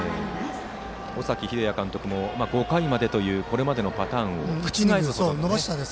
尾崎英也監督も５回までというこれまでのパターンを覆したという。